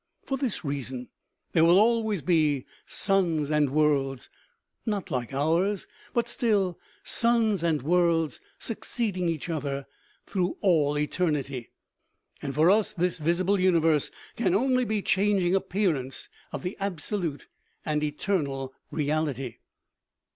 For this reason there will always be suns and worlds, not like ours, but still suns and worlds succeeding each other through all eternity. And for us this visible universe can only be the chang ing appearance of the absolute and eternal reality.